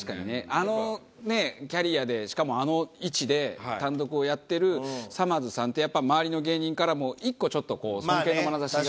あのねキャリアでしかもあの位置で単独をやってるさまぁずさんってやっぱ周りの芸人からも１個ちょっと尊敬のまなざしが。